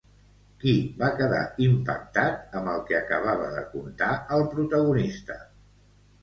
Qui va quedar impactat amb el que acabava de contar el protagonista?